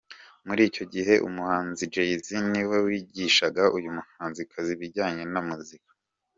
Muri icyo gihe umuhanzi Jay-Z niwe wigishaga uyu muhanzikazi ibijyanyena muzika.